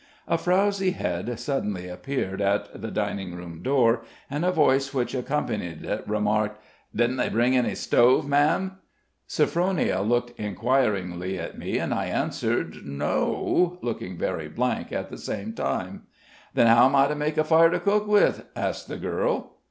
A frowsy head suddenly appeared at the dining room door, and a voice which accompanied it remarked: "Didn't they bring in any stove, ma'am?" Sophronia looked inquiringly at me, and I answered: "No!" looking very blank at the same time. "Then how am I to make a fire to cook with?" asked the girl.